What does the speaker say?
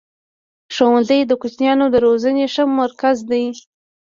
ښوونځی د کوچنیانو د روزني ښه مرکز دی.